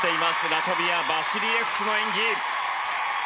ラトビア、バシリエフスの演技。